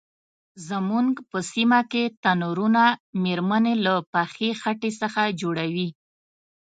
زمونږ سیمه کې تنرونه میرمنې له پخې خټې څخه جوړوي.